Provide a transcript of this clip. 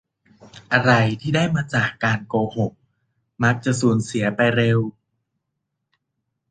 อะไรที่ได้มาจากการโกหกมักจะสูญเสียไปเร็ว